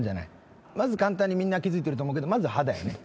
まず簡単にみんな気づいてると思うけどまず歯だよね。